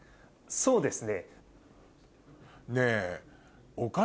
そうですね。